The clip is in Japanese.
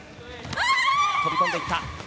飛び込んでいった。